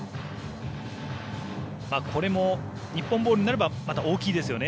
これも、日本ボールになれば大きいですよね。